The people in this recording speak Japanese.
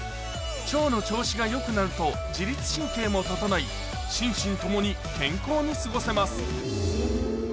腸の調子がよくなると自律神経も整い心身ともに健康に過ごせます